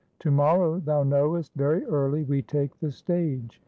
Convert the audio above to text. To morrow, thou know'st, very early, we take the stage.